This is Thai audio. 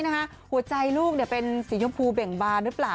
หัวใจลูกเป็นสีชมพูเบ่งบานหรือเปล่า